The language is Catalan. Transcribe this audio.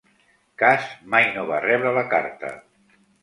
Kaas mai no va rebre la carta.